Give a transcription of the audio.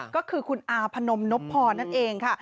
ก็คือคุณอาพนมนพพรนั่นเองค่ะ